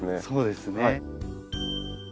そうですね。